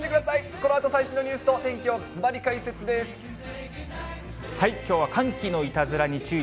このあと最新のニュースと天気をきょうは寒気のいたずらに注意。